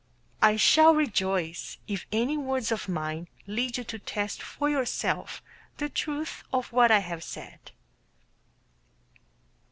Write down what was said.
I shall rejoice if any words of mine lead you to test for yourself the truth of what I have said.